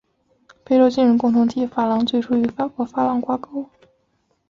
非洲金融共同体法郎最初与法国法郎挂钩。